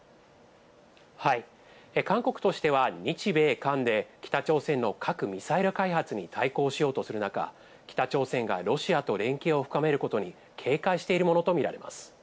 韓国としては、日米韓で北朝鮮の核・ミサイル開発に対抗しようとする中、北朝鮮がロシアと連携を深めることに警戒しているものと見られます。